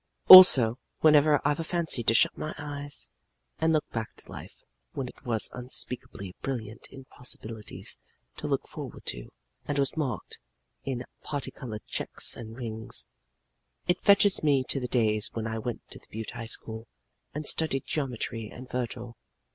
"Also, whenever I've a fancy to shut my eyes and look back to life when it was unspeakably brilliant in possibilities to look forward to, and was marked in parti colored checks and rings, it fetches me to the days when I went to the Butte High School and studied geometry and Vergil.